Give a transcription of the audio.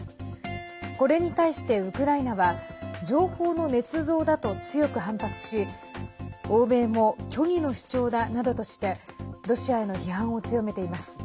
これに対してウクライナは情報のねつ造だと強く反発し欧米も虚偽の主張だなどとしてロシアへの批判を強めています。